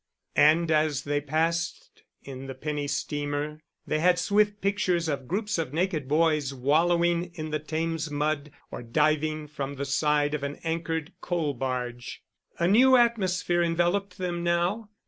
And as they passed in the penny steamer they had swift pictures of groups of naked boys wallowing in the Thames mud or diving from the side of an anchored coal barge. A new atmosphere enveloped them now.